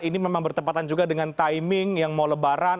ini memang bertempatan juga dengan timing yang mau lebaran